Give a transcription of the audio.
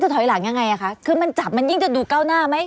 ท้ารอยหลังยังไงกับมันจับมันยังจะดูเก้าหน้าไหม